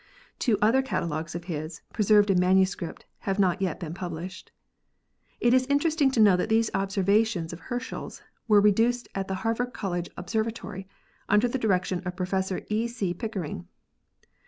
Two other catalogues of his, preserved in manuscript, have not yet been published. It is interesting to know that these observations of Herschel's were re duced at the Harvard College Observatory under the direction of Prof. E. C. Pickering.